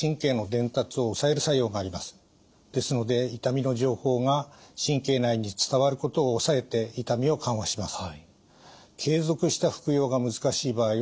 ですので痛みの情報が神経内に伝わることを抑えて痛みを緩和します。